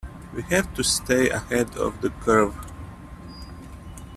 We have to stay ahead of the curve.